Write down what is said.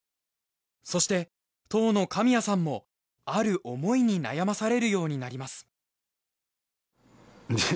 そして当の神谷さんもある思いに悩まされるようになります。